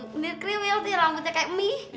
menir kriwil sih rambutnya kayak mie